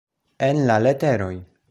En la leteroj.